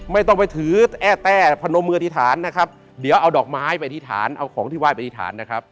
ไม่ต้องไปถือแอ้แต้พนมมืออธิษฐานนะครับเดี๋ยวเอาดอกไม้ไปอธิษฐานเอาของที่ไห้ไปอธิษฐานนะครับ